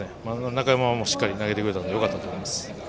中山はしっかり投げてくれたのでよかったと思います。